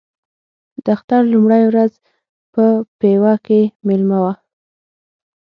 د اختر لومړۍ ورځ په پېوه کې مېله وه.